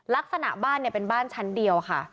ลักษณะบ้านเนี่ยเป็นบ้านชั้นเดียวค่ะ